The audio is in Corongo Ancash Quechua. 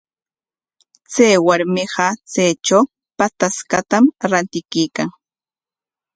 Chay warmiqa chaytraw pataskatam rantikuykan.